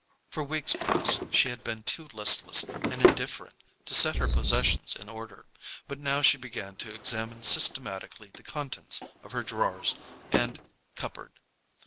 For weeks past she had been too listless and indifferent to set her possessions in order, but now she began to examine systematically the contents of her drawers and cupboard.